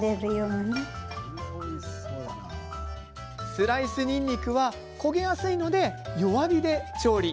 スライスにんにくは焦げやすいので弱火で調理。